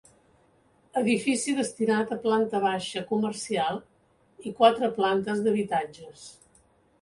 Edifici destinat a planta baixa comercial i quatre plantes d'habitatges.